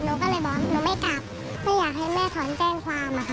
หนูก็เลยบอกหนูไม่กลับไม่อยากให้แม่ถอนแจ้งความอะค่ะ